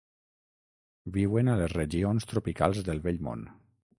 Viuen a les regions tropicals del Vell Món.